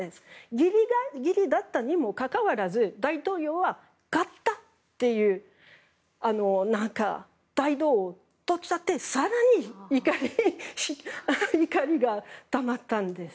ギリギリだったにもかかわらず大統領は、勝ったっていう態度を取っちゃって更に怒りがたまったんです。